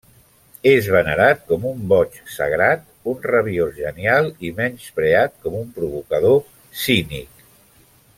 És venerat com un boig sagrat, un rabiós genial i menyspreat com un provocador cínic.